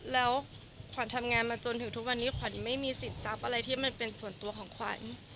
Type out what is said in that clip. แล้วขวัญทำงานมาจนถึงทุกวันนี้ขวัญไม่มีสิทธิ์ทรัพย์อะไรที่มันเป็นส่วนตัวของขวัญ